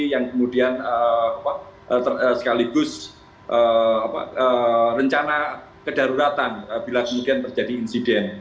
yang kemudian sekaligus rencana kedaruratan bila kemudian terjadi insiden